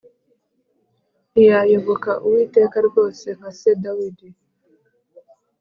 ntiyayoboka Uwiteka rwose nka se Dawidi